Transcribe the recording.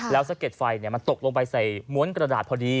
แล้วสะเด็ดไฟมันตกลงไปใส่ม้วนกระดาษพอดี